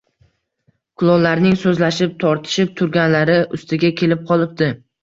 Kulollarning so‘zlashib, tortishib turganlari ustiga kelib qolibdi